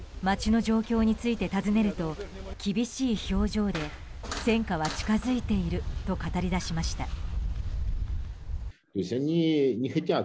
街の状況について尋ねると厳しい表情で戦火は近づいていると語り出しました。